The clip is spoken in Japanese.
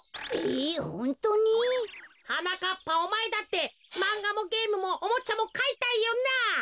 えホントに？はなかっぱおまえだってまんがもゲームもおもちゃもかいたいよな？